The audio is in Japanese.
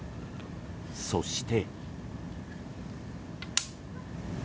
そして。